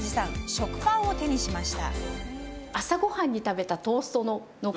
食パンを手にしました。